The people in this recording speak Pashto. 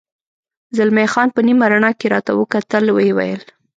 زلمی خان په نیمه رڼا کې راته وکتل، ویې ویل.